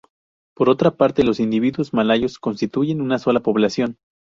Por otra parte, los individuos malayos constituyen una sola población.